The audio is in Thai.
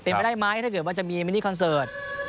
เป็นไปได้ไหมถ้าเกิดว่าจะมีมินิคอนเสิร์ต